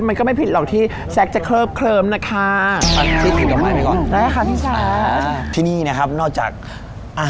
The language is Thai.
มันก็ไม่ผิดหรอกที่แซ็กจะเคิบเคลิ่มนะคะ